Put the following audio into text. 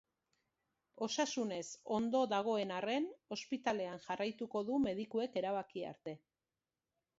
Osasunez ondo dagoen arren ospitalean jarraituko du medikuek erabaki arte.